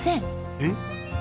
えっ？